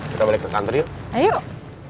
kita balik ke santri yuk